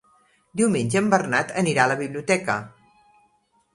Diumenge en Bernat anirà a la biblioteca.